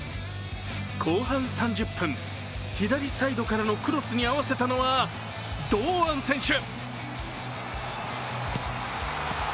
後半３０分、左サイドからのクロスに合わせたのは堂安選手。